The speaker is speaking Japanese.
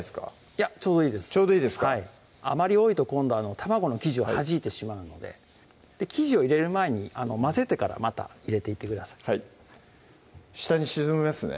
いやちょうどいいですあまり多いと今度は卵の生地をはじいてしまうので生地を入れる前に混ぜてからまた入れていってください下に沈みますね